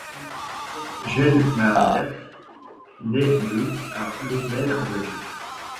Jelle Mannaerts naît le à Lommel en Belgique.